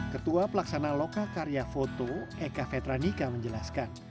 ketua pelaksana lokakarya foto eka vetranika menjelaskan